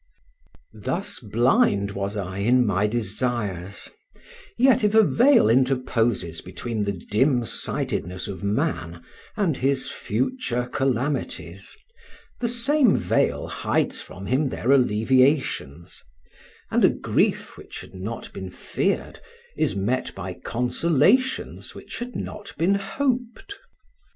Thus blind was I in my desires; yet if a veil interposes between the dim sightedness of man and his future calamities, the same veil hides from him their alleviations, and a grief which had not been feared is met by consolations which had not been hoped.